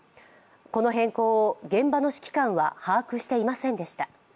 この変更を現場の指揮官は把握していませんでした。